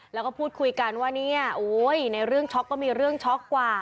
แล้วก็พูดคุยกันว่าเนี่ยในเรื่องช็อกก็มีเรื่องช็อกกว่า